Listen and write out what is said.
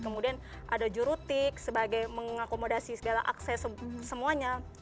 kemudian ada jurutik sebagai mengakomodasi segala akses semuanya